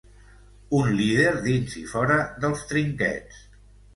Un lider dins i fora dels trinquets.